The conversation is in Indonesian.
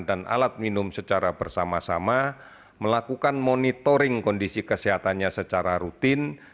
dan alat minum secara bersama sama melakukan monitoring kondisi kesehatannya secara rutin